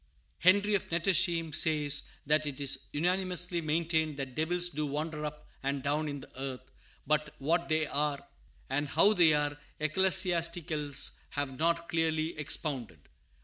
Henry of Nettesheim says "that it is unanimously maintained that devils do wander up and down in the earth; but what they are, or how they are, ecclesiasticals have not clearly expounded."